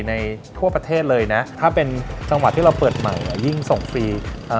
ทั่วประเทศเลยนะถ้าเป็นจังหวัดที่เราเปิดใหม่อ่ะยิ่งส่งฟรีเอ่อ